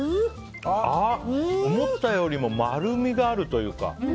思ったよりも丸みがあるというか。